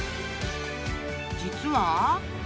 ［実は］